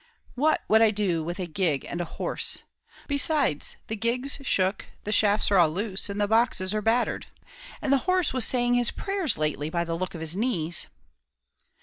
"What would I do with a gig and horse? Besides, the gig's shook, the shafts are all loose, and the boxes are battered; and the horse was saying his prayers lately, by the look of his knees."